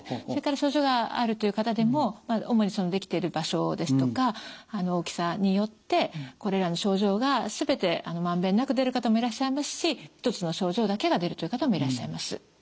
それから症状があるという方でも主にそのできている場所ですとか大きさによってこれらの症状が全て満遍なく出る方もいらっしゃいますし１つの症状だけが出るという方もいらっしゃいます。